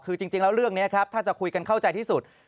คือจริงแล้วเรื่องนี้ครับถ้าจะคุยกันเข้าใจที่สุด